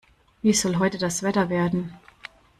Wie soll heute das Wetter werden?